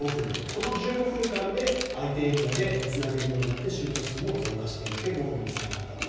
この１５分間で相手エリアでつなげるようになってシュート数も増加していってゴールにつながったと。